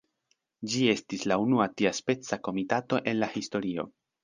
Ĝi estis la unua tiaspeca komitato en la historio.